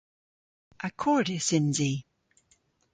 Akordys yns i.